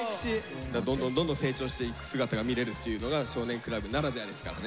どんどんどんどん成長していく姿が見れるっていうのが「少年倶楽部」ならではですからね。